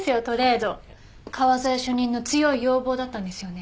川添主任の強い要望だったんですよね？